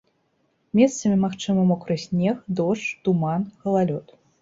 Месцамі магчымы мокры снег, дождж, туман, галалёд.